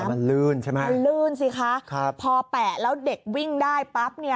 มันลื่นใช่ไหมคะลื่นสิคะพอแปะแล้วเด็กวิ่งได้ปั๊บ